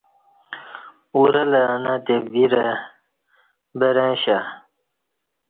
اورہ لہ انہ تے ویرہ برں اشیا